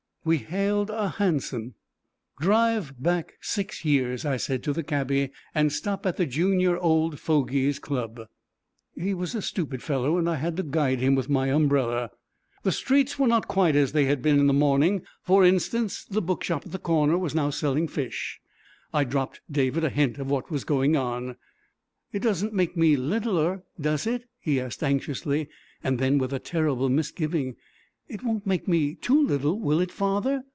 We hailed a hansom. "Drive back six years," I said to the cabby, "and stop at the Junior Old Fogies' Club." He was a stupid fellow, and I had to guide him with my umbrella. The streets were not quite as they had been in the morning. For instance, the bookshop at the corner was now selling fish. I dropped David a hint of what was going on. "It doesn't make me littler, does it?" he asked anxiously; and then, with a terrible misgiving: "It won't make me too little, will it, father?"